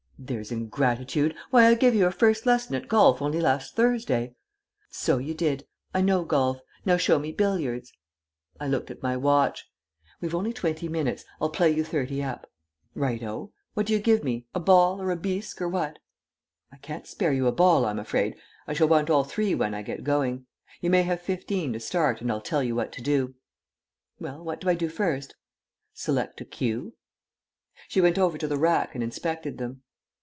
"There's ingratitude. Why, I gave you your first lesson at golf only last Thursday." "So you did. I know golf. Now show me billiards." I looked at my watch. "We've only twenty minutes. I'll play you thirty up." "Right o. What do you give me a ball or a bisque or what?" "I can't spare you a ball, I'm afraid. I shall want all three when I get going. You may have fifteen start, and I'll tell you what to do." "Well, what do I do first?" "Select a cue." She went over to the rack and inspected them.